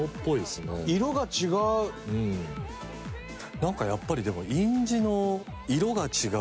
なんかやっぱりでも。